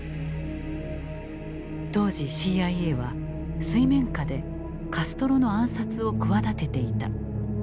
当時ＣＩＡは水面下でカストロの暗殺を企てていた。